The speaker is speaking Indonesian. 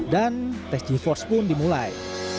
dan tes g force pun dimulai